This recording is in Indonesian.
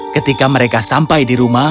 ketika mereka sampai di rumah